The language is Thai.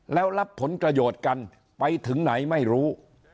แล้วรับผลประโยชน์กันไปถึงไหนไม่รู้